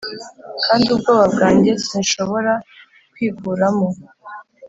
kandi ubwoba bwanjye, sinshobora kwikuramo--